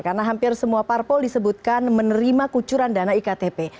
karena hampir semua parpol disebutkan menerima kucuran dana iktp